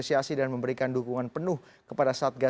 sejak itu memang leverage